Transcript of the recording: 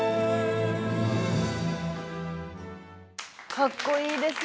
かっこいいですね。